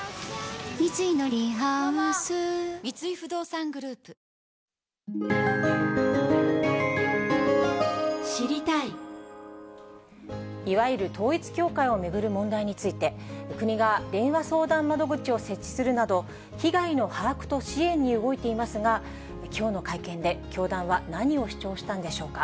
サントリー「セサミン」いわゆる統一教会を巡る問題について、国が電話相談窓口を設置するなど、被害の把握と支援に動いていますが、きょうの会見で、教団は何を主張したんでしょうか。